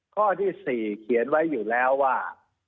ข้อที่๔เขียนไว้อยู่แล้วว่า